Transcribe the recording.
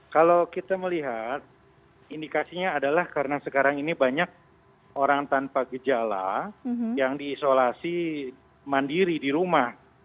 kalau kita melihat indikasinya adalah karena sekarang ini banyak orang tanpa gejala yang diisolasi mandiri di rumah